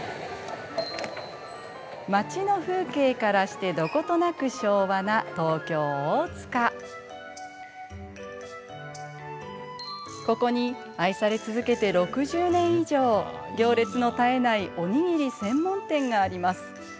町の風景からしてどことなく昭和なここに愛され続けて６０年以上行列の絶えないおにぎり専門店があります。